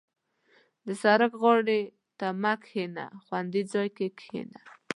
• د سړک غاړې ته مه کښېنه، خوندي ځای کې کښېنه.